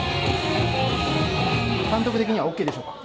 監督的にはＯＫでしょうか。